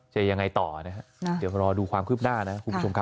จะยังไงต่อนะเดี๋ยวรอดูความคืบหน้านะครับ